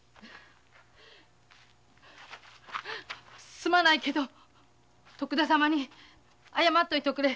すまないけど徳田様に謝っておいておくれ。